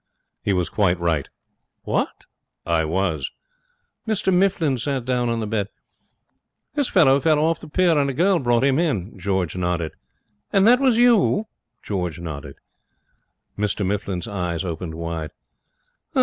'He was quite right.' 'What!' 'I was.' Mr Mifflin sat down on the bed. 'This fellow fell off the pier, and a girl brought him in.' George nodded. 'And that was you?' George nodded. Mr Mifflin's eyes opened wide.